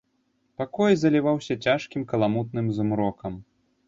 Пакой заліваўся цяжкім каламутным змрокам.